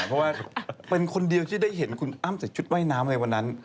เพราะว่าเป็นคนเดียวที่ได้เห็นคุณอ้ำใส่ชุดว่ายน้ำในวันนั้น